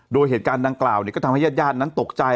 โดยเหตุการณ์ดังกล่าวก็ทำให้ญาตินั้นตกใจ